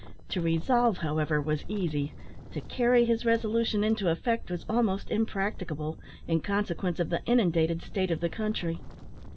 To resolve, however, was easy; to carry his resolution into effect was almost impracticable, in consequence of the inundated state of the country.